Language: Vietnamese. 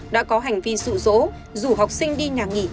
đã có hành vi sụ rỗ rủ học sinh đi nhà nghỉ